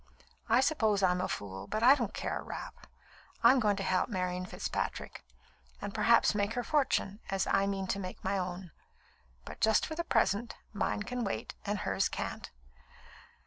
I suppose I'm a fool, but I don't care a rap. I'm going to help Marian Fitzpatrick, and perhaps make her fortune, as I mean to make my own. But just for the present, mine can wait, and hers can't."